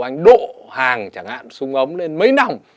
anh độ hàng chẳng hạn súng ống lên mấy nòng